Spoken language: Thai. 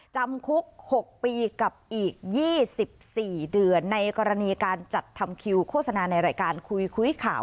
จำคุก๖ปีกับอีก๒๔เดือนในกรณีการจัดทำคิวโฆษณาในรายการคุยคุยข่าว